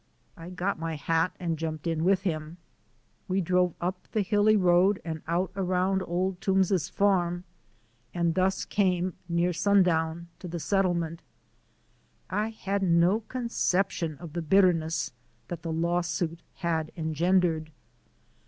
I got my hat and jumped in with him. We drove up the hilly road and out around Old Toombs's farm and thus came, near to the settlement. I had no conception of the bitterness that the lawsuit had engendered.